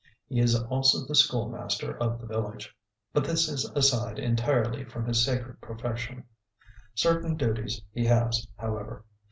He is also the schoolmaster of the village, but this is aside entirely from his sacred profession. Certain duties he has, however.